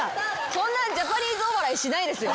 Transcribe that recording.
そんなジャパニーズお笑いしないですよ。